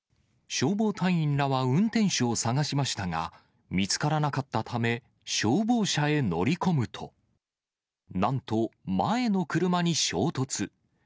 消防隊員らは運転手を捜しましたが、見つからなかったため、消防車へ乗り込むと、なんと前の車に衝突。